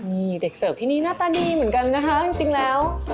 นี่เด็กเสิร์ฟที่นี่หน้าตาดีเหมือนกันนะคะจริงแล้ว